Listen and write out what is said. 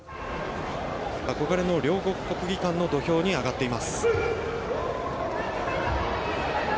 憧れの両国国技館の土俵に上がっています。